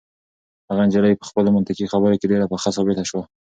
هغه نجلۍ په خپلو منطقي خبرو کې ډېره پخه ثابته شوه.